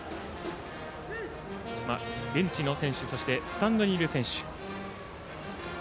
ベンチの選手スタンドにいる選手